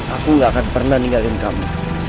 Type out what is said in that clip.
aku gak akan pernah ninggalin kamu